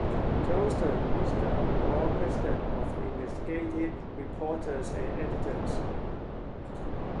Johnston is the board president of Investigative Reporters and Editors.